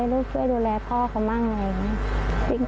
ได้ลูกช่วยดูแลพ่อเขามั่ง